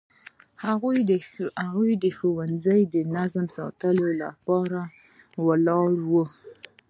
هغوی د ښوونځي نظم ساتلو لپاره ولاړ وو.